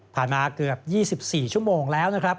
มาเกือบ๒๔ชั่วโมงแล้วนะครับ